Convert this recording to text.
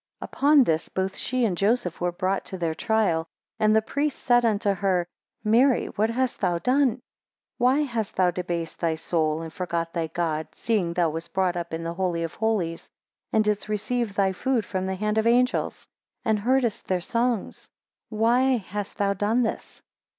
8 Upon this both she and Joseph were brought to their trial, and the priest said unto her, Mary, what hast thou done? 9 Why hast thou debased thy soul, and forgot thy God, seeing thou wast brought up in the Holy of Holies, and didst receive thy food from the hands of angels, and heardest their songs? 10 Why hast thou done this?